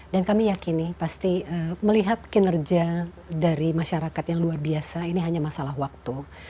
dan kami yakini pasti melihat kinerja dari masyarakat yang luar biasa ini hanya masalah waktu